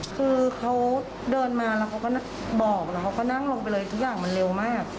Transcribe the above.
คือเขาเดินมาแล้วเขาก็บอกแล้วเขาก็นั่งลงไปเลยทุกอย่างมันเร็วมาก